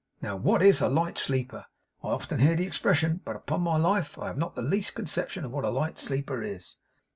'Now, what is a light sleeper? I often hear the expression, but upon my life I have not the least conception what a light sleeper is.